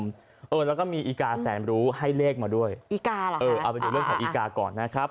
แล้วก็มีอีกาแสนไปดูให้เลขมาด้วยเอาไปดูเรื่องของอีกาก่อนนะครับ